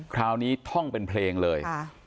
คราวนี้ท่องเป็นเพลงเลย